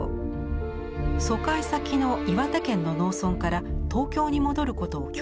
疎開先の岩手県の農村から東京に戻ることを拒否しました。